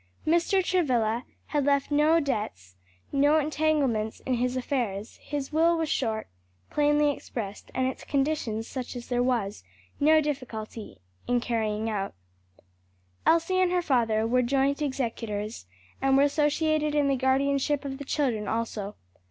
Mr. Travilla had left no debts, no entanglements in his affairs; his will was short, plainly expressed, and its conditions such as there was no difficulty in carrying out. Elsie and her father were joint executors, and were associated in the guardianship of the children also.